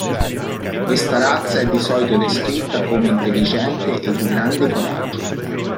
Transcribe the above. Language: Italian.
Questa razza è di solito descritta come intelligente e di grande coraggio.